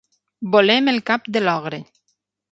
Volem el cap de l'ogre.